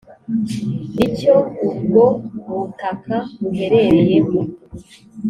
n’icyo ubwo butaka buherereyemo